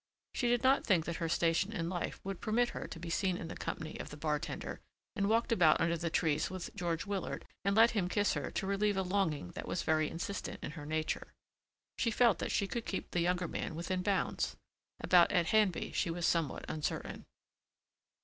She did not think that her station in life would permit her to be seen in the company of the bartender and walked about under the trees with George Willard and let him kiss her to relieve a longing that was very insistent in her nature. She felt that she could keep the younger man within bounds. About Ed Handby she was somewhat uncertain.